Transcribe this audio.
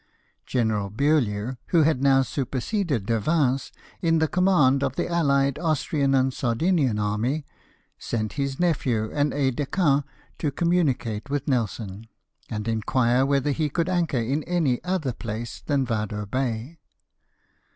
General Beaulieu, who had now superseded De Yins in the command of the alHed Austrian and Sardinian army, sent his nephew and aide de camp to communicate with Nelson, and inquire whether he could anchor in any other place than Yado Bay.